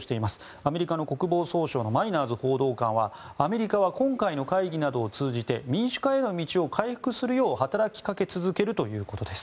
アメリカの国防総省のマイナーズ報道官はアメリカは今回の会議などを通じて民主化への道を回復するよう働きかけ続けるということです。